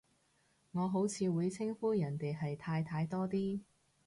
我好似會稱呼人哋係太太多啲